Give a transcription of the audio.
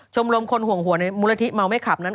ลมคนห่วงหัวในมูลนิธิเมาไม่ขับนั้น